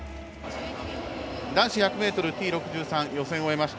男子１００ｍＴ６３予選を終えました